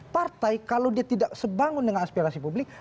partai kalau dia tidak sebangun dengan aspirasi publik